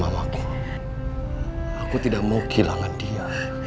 aku tidak mau kehilangan dia